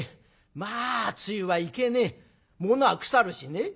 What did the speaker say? まあ梅雨はいけねえ物は腐るしね。